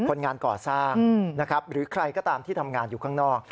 คนงานก่อสร้างนะครับหรือใครก็ตามที่ทำงานอยู่ข้างนอก